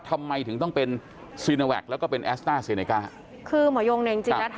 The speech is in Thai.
ทำไมถึงต้องเป็นซีโนแวคแล้วก็เป็นแอสต้าเซเนก้าคือหมอยงเนี่ยจริงจริงแล้ว